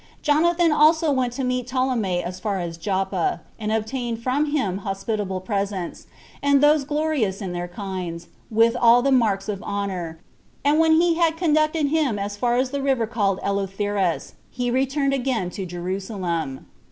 Jonathan also went to meet Ptolemy as far as Joppa, and obtained from him hospitable presents, and those glorious in their kinds, with all the marks of honor; and when he had conducted him as far as the river called Eleutherus, he returned again to Jerusalem.